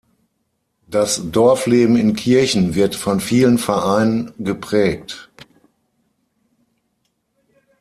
Das Dorfleben in Kirchen wird von vielen Vereinen geprägt.